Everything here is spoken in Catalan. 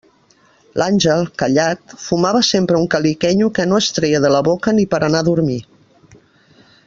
L'Àngel, callat, fumava sempre un caliquenyo que no es treia de la boca ni per a anar a dormir.